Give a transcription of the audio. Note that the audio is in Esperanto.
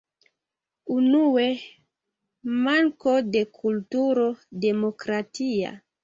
Unue: manko de kulturo demokratia.